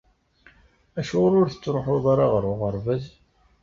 Acuɣer ur tettṛuḥuḍ ara ɣer uɣerbaz?